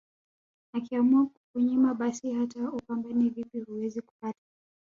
Akiamua kukunyima basi hata upambane vipi huwezi kupata